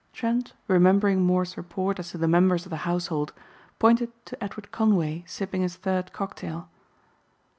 Trent remembering Moor's report as to the members of the household pointed to Edward Conway sipping his third cocktail.